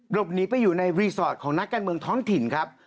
บหนีไปอยู่ในรีสอร์ทของนักการเมืองท้องถิ่นครับ